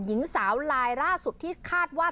หญิงสาวลายล่าสุดที่คาดว่า